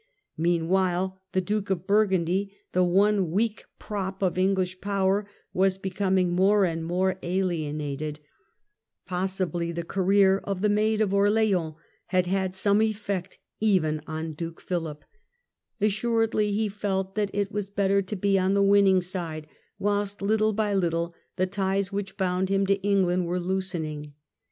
Meanwhile the loss of the Duke of Burgundy, the one weak prop of EngHsh Jj^^^X power, was becoming more and more ahenated : pos *"^^ 222 THE END OF THE MIDDLE AGE sibly the career of the Maid of Orleans had had some effect even on Duke Philip, assuredly he felt that it was better to be on the winning side, whilst little by little the ties which bound him to England were loosening.